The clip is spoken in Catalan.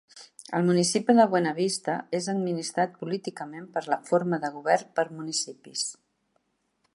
El municipi de Buena Vista és administrat políticament per la forma de govern per municipis.